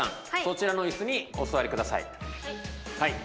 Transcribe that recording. そちらのイスにお座りください。